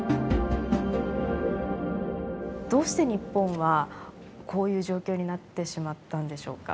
どうして日本はこういう状況になってしまったんでしょうか。